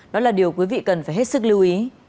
đó là điều quý vị cần phải hết sức lưu ý